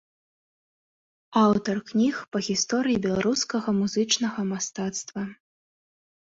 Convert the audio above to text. Аўтар кніг па гісторыі беларускага музычнага мастацтва.